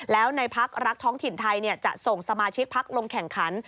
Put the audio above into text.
แล้วในพักรักท้องถิ่นไทยจะส่งสมาชิกพักลงแข่งขัน